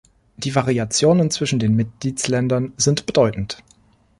Die Variationen zwischen den Mitgliedsländern sind bedeutend.